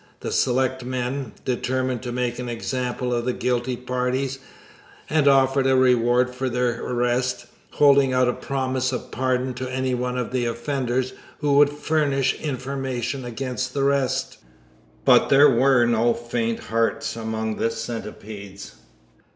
The selectmen determined to make an example of the guilty parties, and offered a reward for their arrest, holding out a promise of pardon to anyone of the offenders who would furnish information against the rest. But there were no faint hearts among the Centipedes.